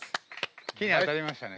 木に当たりましたね。